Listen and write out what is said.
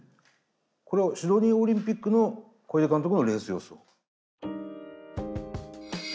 これはシドニーオリンピックの小出監督のレース予想？